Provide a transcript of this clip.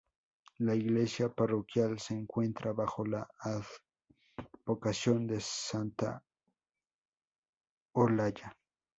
La iglesia parroquial se encuentra bajo la advocación de Santa Olalla.